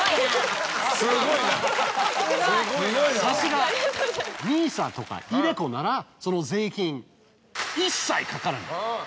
さすが。ＮＩＳＡとかｉＤｅＣｏならその税金一切かからない。